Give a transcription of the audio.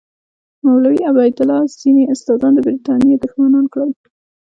مولوي عبیدالله ځینې استادان د برټانیې دښمنان کړل.